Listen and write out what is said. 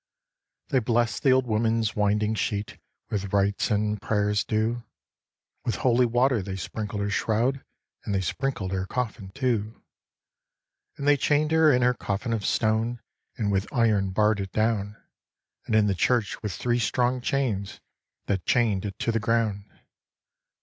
They blest the old woman's winding sheet With rites and prayers due, With holy water they sprinkled her shroud, And they sprinkled her coffin too. And they chain'd her in her coffin of stone, And with iron barr'd it down, And in the church with three strong chains The chain'd it to the ground.